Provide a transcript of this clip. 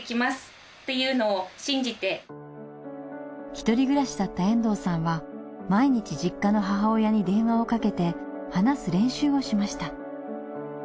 １人暮らしだった遠藤さんは毎日実家の母親に電話をかけて話す練習をしました。